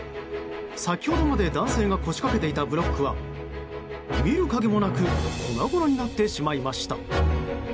先ほどまで男性が腰かけていたブロックは見る影もなく粉々になってしまいました。